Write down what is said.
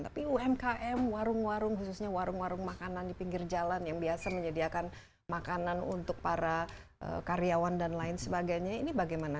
tapi umkm warung warung khususnya warung warung makanan di pinggir jalan yang biasa menyediakan makanan untuk para karyawan dan lain sebagainya ini bagaimana